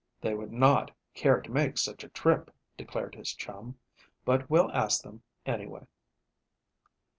"They would not care to make such a trip," declared his chum, "but we'll ask them, anyway."